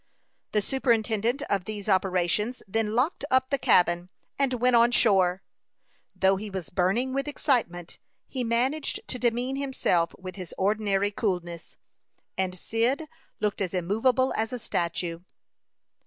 The superintendent of these operations then locked up the cabin, and went on shore. Though he was burning with excitement, he managed to demean himself with his ordinary coolness, and Cyd looked as immovable as a statue.